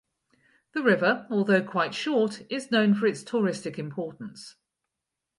The river although quite short is known for its touristic importance.